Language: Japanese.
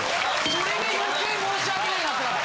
それで余計申し訳ないなって。